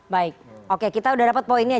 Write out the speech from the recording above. baik oke kita udah dapat poinnya